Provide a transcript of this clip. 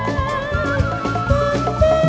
untuk pesan keayu